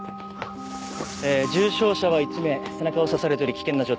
え重傷者は１名背中を刺されており危険な状態。